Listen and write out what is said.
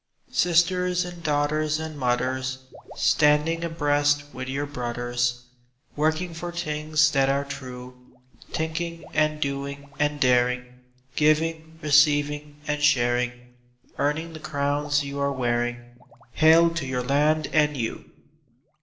Sisters and daughters and mothers, Standing abreast with your brothers, Working for things that are true; Thinking and doing and daring, Giving, receiving, and sharing, Earning the crowns you are wearing— Hail to your land and you!